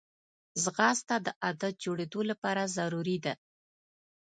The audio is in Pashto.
ځغاسته د عادت جوړېدو لپاره ضروري ده